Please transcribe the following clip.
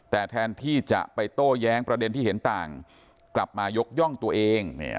แต่แทนที่จะไปโต้แย้งประเด็นที่เห็นต่างกลับมายกย่องตัวเอง